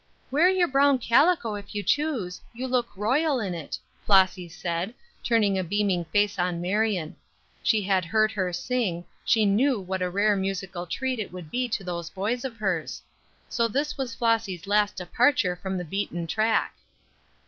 "Wear your brown calico, if you choose; you look royal in it," Flossy said, turning a beaming face on Marion. She had heard her sing, she knew what a rare musical treat it would be to those boys of hers. So this was Flossy's last departure from the beaten track.